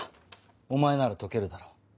お前なら解けるだろ。